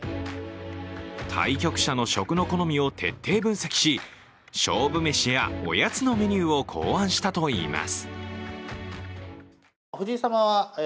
対局者の食の好みを徹底分析し勝負飯やおやつのメニューを考案したといいます。